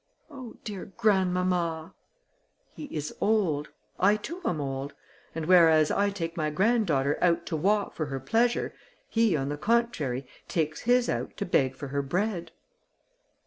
"Oh! dear grandmamma!" "He is old; I too am old; and whereas I take my granddaughter out to walk for her pleasure, he, on the contrary, takes his out to beg for her bread."